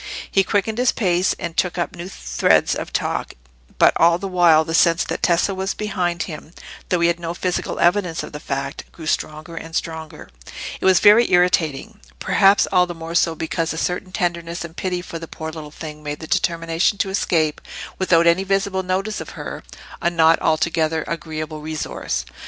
He quickened his pace, and took up new threads of talk; but all the while the sense that Tessa was behind him, though he had no physical evidence of the fact, grew stronger and stronger; it was very irritating—perhaps all the more so because a certain tenderness and pity for the poor little thing made the determination to escape without any visible notice of her, a not altogether agreeable resource.